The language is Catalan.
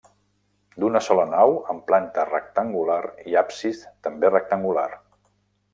D'una sola nau amb planta rectangular i absis també rectangular.